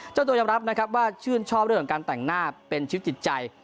เจ้าตัวยอมรับนะครับว่าชื่นชอบเรื่องของการแต่งหน้าเป็นชีวิตจิตใจ